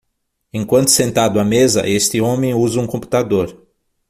Enquanto sentado à mesa, este homem usa um computador.